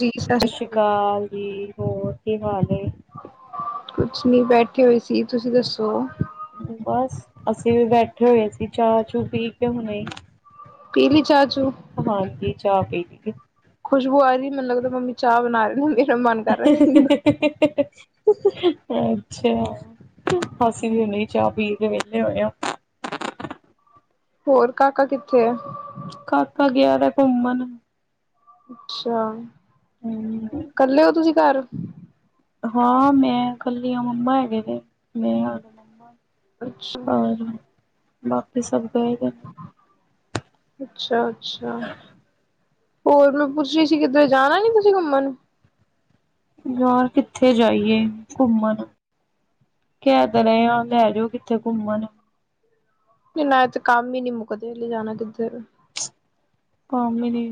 ਜੀ ਸਤਿ ਸਰ ਸ਼੍ਰੀ ਅਕਾਲ ਜੀ ਹੋਰ ਕੀ ਹਾਲ ਏ। ਕੁਛ ਨੀ ਬੈਠੀ ਹੋਈ ਸੀ ਤੁਸੀਂ ਦੱਸੋ,? ਬਸ ਅਸੀਂ ਵੀ ਬੈਠੇ ਹੋਏ ਸੀ ਚਾਹ ਚੂ ਪੀ ਕੇ ਹੁਣੇ ਈ ਪੀਲੀ ਚਾਹ ਚੂ। ਹਾਂਜੀ ਚਾਹ ਪੀਲੀ ਏ ਖੁਸ਼ਬੂ ਆ ਰਹੀ ਮੈਨੂੰ ਲੱਗਦਾ ਮੰਮੀ ਚਾਹ ਬਣਾ ਰਹੇ ਹੋਣਗੇ। [unintelligible] ਅੱਛਾ ਅਸੀ ਵੀ ਹੁਣੇ ਈ ਚਾਹ ਪੀ ਕੇ ਵਿਹਲੇ ਹੋਏ ਆਂ। ਹੋਰ ਕਾਕਾ ਕਿੱਥੇ ਐ। ਕਾਕਾ ਗਿਆ ਦਾ ਘੁੰਮਣ। ਅੱਛਾ ਹੂੰ, ਕੱਲੇ ਓ ਤੁਸੀਂ ਘਰ। ਹਾਂ ਮੈਂ ਕਲੀ ਆ ਮੰਮਾ ਹੈਗੇ ਨੇ ਮੇਰੇ ਨਾਲ। ਅੱਛਾ ਹੋਰ ਬਾਕੀ ਸਭ ਗਏ ਦੇ। ਅੱਛਾ-ਅੱਛਾ ਹੋਰ ਮੈਂ ਪੁੱਛ ਰਹੀ ਸੀ ਕਿੱਧਰੇ ਜਾਣਾ ਨੀ ਤੁਸੀਂ ਘੁੰਮਣ। ਯਾਰ ਕਿੱਥੇ ਜਾਈਏ ਘੁੰਮਣ ਕੈ ਤੇ ਰਏ ਆ ਲੈ ਜੋ ਕਿੱਥੇ ਕੁੰਮਣ। ਇਹਨਾਂ ਚ ਕੰਮ ਈ ਨੀ ਮੁੱਕਦੇ ਲੇ ਜਾਣਾ ਕਿੱਧਰ ਏ ਕੰਮ ਈ ਨੀ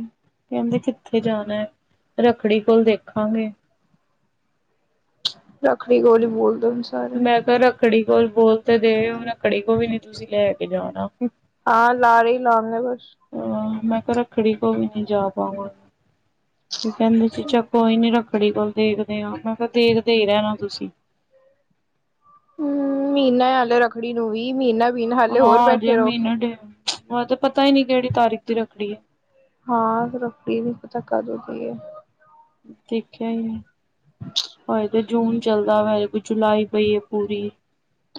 ਕੈਂਦੇ ਕਿੱਥੇ ਜਾਣਾ ਰੱਖੜੀ ਕੋਲ ਦੇਖਾਂਗੇ। ਰੱਖੜੀ ਕੋਲ ਈ ਬੋਲਦੋ ਫਿਰ ਸਾਰੇ। ਰਖੜੀ ਕੋਲ ਬੋਲ ਤੇ ਰੇ ਓ ਰਖੜੀ ਕੋਲ ਵੀ ਨੀ ਤੁਸੀਂ ਲੈ ਕੇ ਜਾਣਾ। ਆ ਲਾਰੇ ਈ ਲਾਨੇ ਬਸ ਆ ਮੈਂ ਕੇਆ ਰੱਖੜੀ ਕੋਲ ਵੀ ਨੀ ਜਾ ਪਾਵਾ ਤੇ ਕੈੰਦੇ ਚ ਚਾ ਕੋਈ ਨੀ ਰੱਖੜੀ ਕੋਲ ਦੇਖਦੇ ਆ ਮੈਂ ਕੇਆ ਦੇਖਦੇ ਈ ਰੈਣਾ ਤੁਸੀਂ। ਹੂੰ ਮੀਨਾ ਏ ਹੱਲੇ ਰੱਖੜੀ ਨੂੰ ਵੀ ਮੀਨਾ ਹਾਂ ਹਜੇ ਮੀਨਾ ਡੇਠ ਹਜੇ ਤੇ ਪਤਾ ਈ ਨੀ ਕੇੜੀ ਤਾਰੀਕ ਦੀ ਰੱਖੜੀ ਏ ਹਾਂ ਰੱਖ਼ੜੀ ਵੀ ਪੁੱਛਾਂ ਕਦੋਂ ਦੀ ਏਂ। ਦੇਖਿਆਂ ਈ ਨੀਂ ਹਏ ਤੇ। ਜੂਨ ਚੱਲਦਾ ਪਤਾ ਹਜੇ ਫਿਰ ਜੁਲਾਈ ਪਈ ਏ ਪੂਰੀ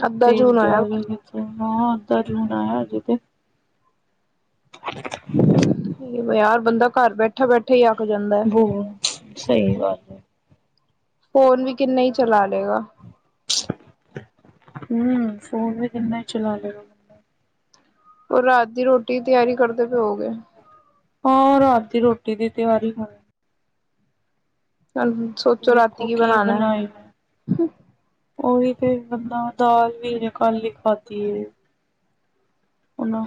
ਅੱਧਾ ਫ਼ਿਰ ਜੂਨ ਜਾ ਹੋਇਆ ਕੇ ਹਾਂ ਅੱਧਾ ਜੂਨ ਆਯਾ ਹਜੇ ਤੇ। ਓ ਯਾਰ ਬੰਦਾਂ ਘਰ ਬੈਠਾਂ-ਬੈਠਾਂ ਈ ਅੱਕ ਜਾਂਦਾਂ ਐ। ਸਈ ਗੱਲ ਏ। ਫ਼ੋਨ ਵੀ ਕਿੰਨਾਂ ਈ ਚੱਲਾ ਲੇਗਾ। ਹੂੰ ਫ਼ੋਨ ਵੀ ਕਿੰਨਾਂ ਈ ਚਲਾ ਲੇਗਾ। ਹੋਰ ਰਾਤ ਦੀ ਰੋਟੀ ਤਿਆਰੀ ਕਰਦੇਂ ਪੇ ਹੋਗੇ। ਹਾਂ ਰਾਤ ਦੀ ਰੋਟੀ ਦੀ ਤਿਆਰੀ ਕਰਨ ਚੱਲ ਹੁਣ ਸੋਚੋਂ ਰਾਤੀਂ ਕੀ ਬਨਾਣਾ। ਉਈ ਤੇ ਬੰਦਾਂ ਦਾਲ਼ ਵੀ ਹਜੇ ਕੱਲ ਈ ਖਾਧੀ ਏ। ਓ ਨਾ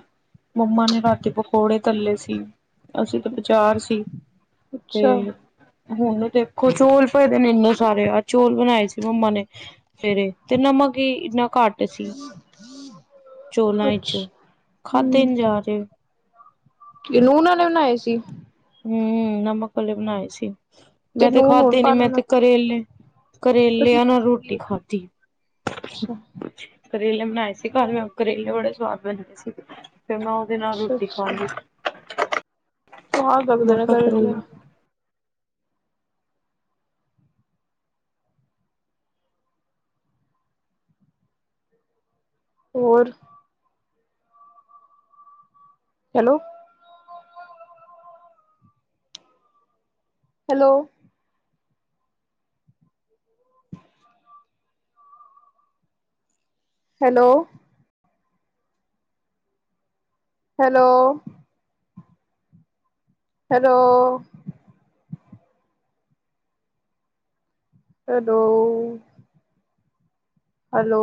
ਮੰਮਾ ਨੇਂ ਰਾਤੀਂ ਪਕੌੜੇ ਤੱਲੇ ਸੀਂ। ਅਸੀਂ ਤੇ ਬਜਾਰ ਸੀਂ ਤੇ ਅੱਛਾ ਹੁਣ ਦੇਖੋਂ ਚੌਲ ਪਏ ਦੇ ਨੇਂ ਏਨੇ ਸਾਰੇ। ਅੱਜ ਚੋਲ ਬਣਾਏ ਸੀਂ ਮੰਮਾ ਨੇਂ। ਸਵੇਰੇ ਤੇ ਨਮਕ ਈ ਇਨਾਂ ਕੱਟ ਸੀਂ, ਚੋਲਾਂ ਅੱਛ ਇਚ। ਖਾਦੇ ਨੀਂ ਜਾਂ ਰੇ। ਕੀ ਲੂਣ ਆਲੇ ਬਣਾਏ ਸੀਂ। ਹੂੰ ਨਮਕ ਵਾਲ਼ੇ ਬਣਾਏ ਸੀਂ। ਮੈਂ ਤੇ ਨੂੰਹ ਨੂਰ ਖਾਦੇ ਨੀਂ। ਪਾ ਮੈਂ ਲੈਣਾ ਤੇ ਕਰੇਲੇ ਕਰੇਲੇਆਂ ਨਾਲ਼ ਰੋਟੀ ਅੱਛਾ ਖਾਦੀ। ਅੱਛਾ। ਕਰੇਲੇ ਬਣਾਏ ਸੀਂ ਕੱਲ੍ਹ ਮੈਂ। ਕਰੇਲੇ ਬੜੇ ਸਵਾਦ ਬਣੇ ਸੀ ਫ਼ਿਰ ਮੈਂ ਓਦੇ ਨਾਲ਼ ਰੋਟੀ ਅੱਛਾ ਖਾਲੀ ਸੀ। ਸਵਾਦ ਲੱਗਦੇ ਮੈਂ ਨੇਂ ਕਿਹਾ ਕਰੇਲੇ। ਹੋਰ hello. Hello hello. Hello hello. Hello ਓ ਹੈਲੋ